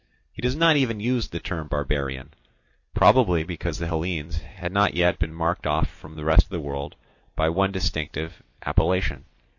He does not even use the term barbarian, probably because the Hellenes had not yet been marked off from the rest of the world by one distinctive appellation.